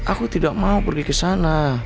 aku tidak mau pergi ke sana